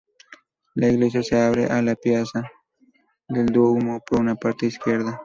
La iglesia se abre en la "piazza del Duomo" por su parte izquierda.